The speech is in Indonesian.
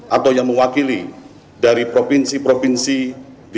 atau yang mewakili dari provinsi provinsi dki